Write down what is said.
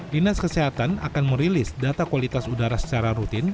dinas kesehatan akan merilis data kualitas udara secara rutin